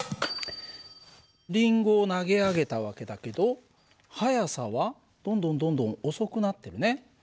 リンゴを投げ上げた訳だけど速さはどんどんどんどん遅くなってるね。